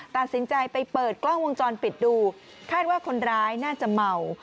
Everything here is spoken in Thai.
ตัดสินใจไปเปิดกล้องวงจรปิดดูคาดว่าคนร้ายน่าจะเมา